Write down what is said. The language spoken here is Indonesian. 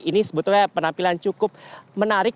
ini sebetulnya penampilan cukup menarik